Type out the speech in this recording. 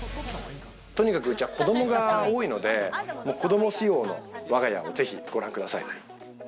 とにかく家は子供が多いので、子供仕様の我が家をぜひご覧ください。